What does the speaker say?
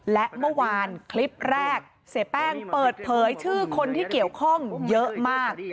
และเมื่อวานคลิปแรกเสียแป้งเปิดเผยชื่อคนที่เกี่ยวข้องเยอะมาก